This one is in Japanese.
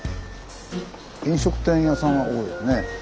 飲食店屋さんは多いよね。